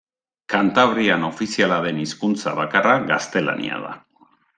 Kantabrian ofiziala den hizkuntza bakarra gaztelania da.